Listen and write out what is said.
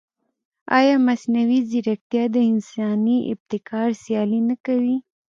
ایا مصنوعي ځیرکتیا د انساني ابتکار سیالي نه کوي؟